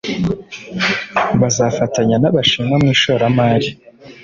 bazafatanya n’Abashinwa mu ishoramari